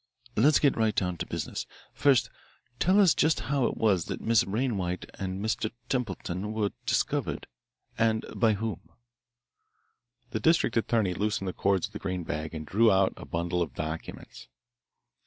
Let's get right down to business. First tell us just how it was that Miss Wainwright and Mr. Templeton were discovered and by whom." The district attorney loosened the cords of the green bag and drew out a bundle of documents.